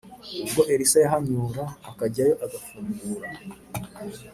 ubwo Elisa yahanyura akajyayo agafungura